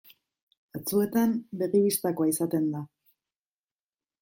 Batzuetan begi bistakoa izaten da.